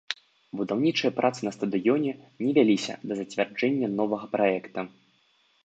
Будаўнічыя працы на стадыёне не вяліся да зацвярджэння новага праекта.